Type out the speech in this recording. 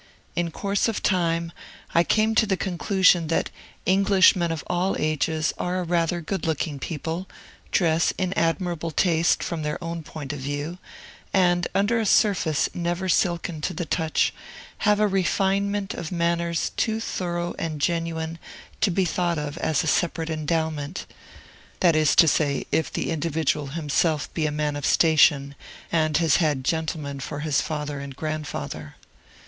In course of time, I came to the conclusion that Englishmen of all ages are a rather good looking people, dress in admirable taste from their own point of view, and, under a surface never silken to the touch, have a refinement of manners too thorough and genuine to be thought of as a separate endowment, that is to say, if the individual himself be a man of station, and has had gentlemen for his father and grandfather.